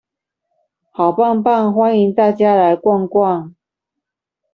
好棒棒，歡迎大家來逛逛